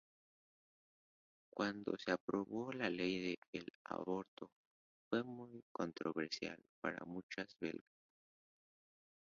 Cuándo se aprobó la ley de aborto, fue muy controversial para muchos belgas.